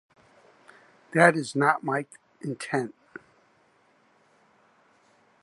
That is not my intent.